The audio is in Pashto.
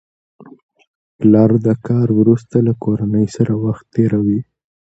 پلر د کار وروسته له کورنۍ سره وخت تېروي